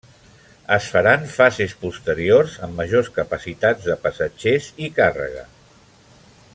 Es faran fases posteriors amb majors capacitats de passatgers i càrrega.